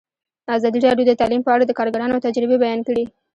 ازادي راډیو د تعلیم په اړه د کارګرانو تجربې بیان کړي.